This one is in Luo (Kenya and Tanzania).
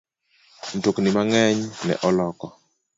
Mtokni mang'eny ne oloko